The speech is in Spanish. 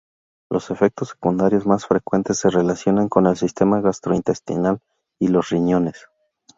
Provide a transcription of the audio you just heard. Los efectos secundarios más frecuentes se relacionan con el sistema gastrointestinal y los riñones.